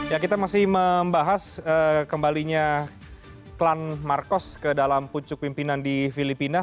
ya kita masih membahas kembalinya klan marcos ke dalam pucuk pimpinan di filipina